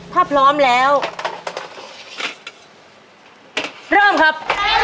ถ้าพร้อมแล้วเริ่มครับ